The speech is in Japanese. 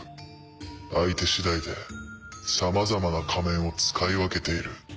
相手次第でさまざまな仮面を使い分けている。